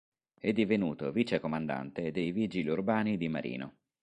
È divenuto vicecomandante dei vigili urbani di Marino.